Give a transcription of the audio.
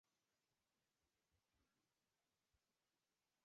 ისედაც ჩანს, რომ გაცილებით ნაკლებია, მაგრამ მაინც შევამოწმოთ.